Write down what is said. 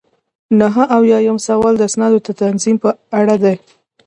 نهه اویایم سوال د اسنادو د تنظیم په اړه دی.